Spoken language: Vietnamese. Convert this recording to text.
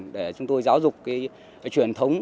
để chúng tôi giáo dục cái truyền thống